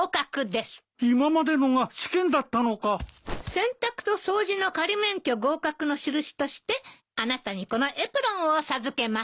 洗濯と掃除の仮免許合格の印としてあなたにこのエプロンを授けます。